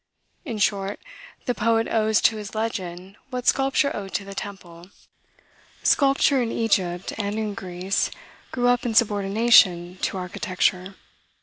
In short, the poet owes to his legend what sculpture owed to the temple. Sculpture in Egypt, and in Greece, grew up in subordination to architecture.